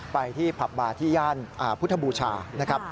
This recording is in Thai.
ไปที่ผับบาร์ที่ย่านพุทธบูชานะครับ